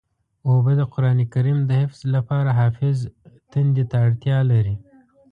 اوبه د قرآن کریم د حفظ لپاره حافظ تندې ته اړتیا لري.